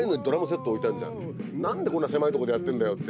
何でこんな狭いとこでやってんだよって。